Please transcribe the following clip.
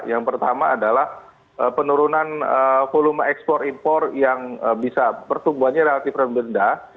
yang pertama adalah penurunan volume ekspor impor yang bisa pertumbuhannya relatif rendah